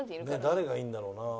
誰がいいんだろうな？